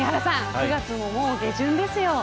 ９月も、もう下旬ですよ。